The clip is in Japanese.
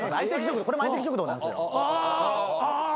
これも『相席食堂』なんですよ。